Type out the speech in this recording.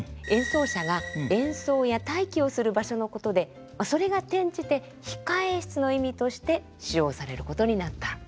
演奏者が演奏や待機をする場所のことでそれが転じて控え室の意味として使用されることになった。